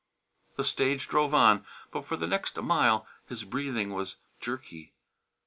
The stage drove on, but for the next mile his breathing was jerky.